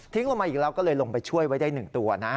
ลงมาอีกแล้วก็เลยลงไปช่วยไว้ได้๑ตัวนะ